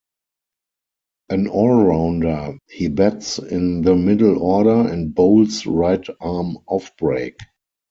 An all-rounder, he bats in the middle order and bowls right-arm offbreak.